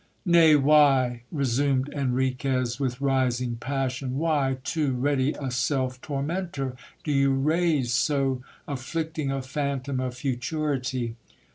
Nay, why, resumed Enriquez, with rising passion, why too ready a self tormentor, do you raise so afflicting a phantom of futurity?